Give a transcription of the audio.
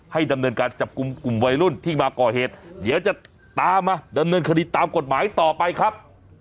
ดำเนินการจับกลุ่มกลุ่มวัยรุ่นที่มาก่อเหตุเดี๋ยวจะตามมาดำเนินคดีตามกฎหมายต่อไปครับ